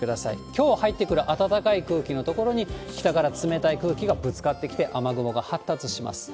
きょう入ってくる暖かい空気の所に、北から冷たい空気がぶつかってきて、雨雲が発達します。